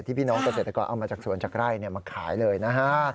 พี่น้องเกษตรกรเอามาจากสวนจากไร่มาขายเลยนะฮะ